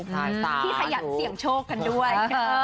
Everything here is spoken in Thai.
ที่ขยันเสี่ยงโชคกันด้วย